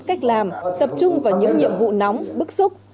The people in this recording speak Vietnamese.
cách làm tập trung vào những nhiệm vụ nóng bức xúc